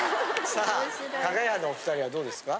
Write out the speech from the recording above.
さあかが屋のお２人はどうですか？